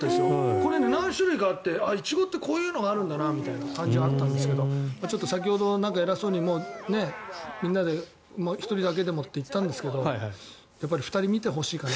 これ、何種類かあってイチゴってこういうのがあるんだなって感じがあったんですけど先ほど、偉そうに１人だけでもって言ったんですけどやっぱり２人見てほしいかな。